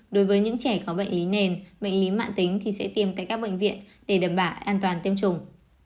đối với những trẻ có bệnh lý nền bệnh lý mạng tính thì sẽ tiêm tại các bệnh viện để đảm bảo an toàn tiêm chủng